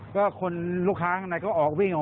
ก็คนลูกค้าข้างในก็ออกวิ่งออก